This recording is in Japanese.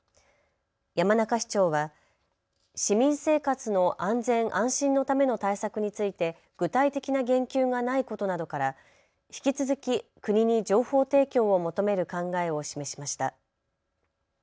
山中市長は市民生活の安全・安心のための対策について具体的な言及がないことなどから引き続き国に情報提供を求める考えを示しました。